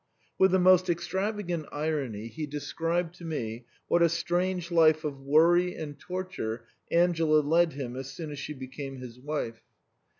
With the most extravagant irony he described to me what a strange life of worry and torture Angela led him as soon as she became his wife.